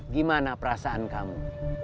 gimana perasaan kamu